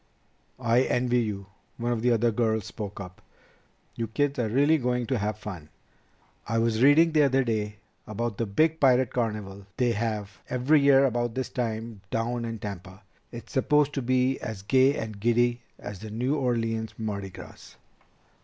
"I envy you," one of the other girls spoke up. "You kids are really going to have fun! I was reading the other day about the big pirate carnival they have every year about this time down in Tampa. It's supposed to be as gay and giddy as the New Orleans Mardi Gras."